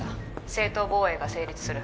「正当防衛が成立する」